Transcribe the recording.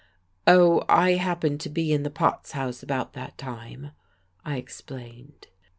"Oh, I happened to be in the Potts House about that time," I explained.